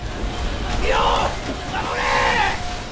身を守れ！